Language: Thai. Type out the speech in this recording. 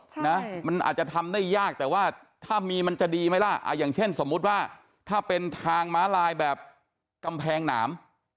ใช่นะมันอาจจะทำได้ยากแต่ว่าถ้ามีมันจะดีไหมล่ะอย่างเช่นสมมุติว่าถ้าเป็นทางม้าลายแบบกำแพงหนาม